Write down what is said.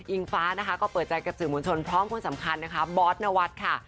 ฟ้านะคะก็เปิดใจกับสื่อมวลชนพร้อมคนสำคัญนะคะบอสนวัฒน์ค่ะ